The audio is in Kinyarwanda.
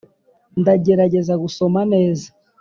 ndagerageza gusoma neza